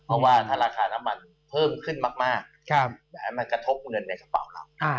เพราะว่าถ้าราคาน้ำมันเพิ่มขึ้นมากให้มันกระทบเงินในกระเป๋าเรา